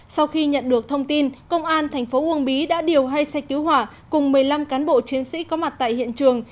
sau khi nhận được thông tin công an thành phố uông bí đã điều hai xe cứu hỏa cùng một mươi năm cán bộ chiến sĩ có mặt tại hiện trường